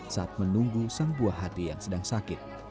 saat menunggu sang buah hati yang sedang sakit